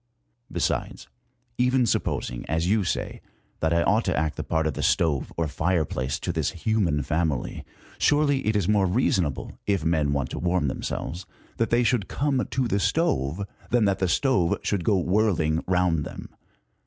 Besides, even sup posing, as you say, that I ought to act the part of stove or fireplace to this human family, surely it is more reasonable, if men want to warm themselves, that they should come to the stove, than that the stove should go whirling round them.